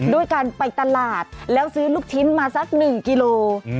ด้วยการไปตลาดแล้วซื้อลูกชิ้นมาสัก๑กิโล